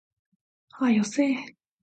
早よせえ